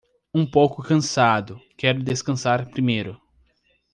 Um pouco cansado, quero descansar primeiro.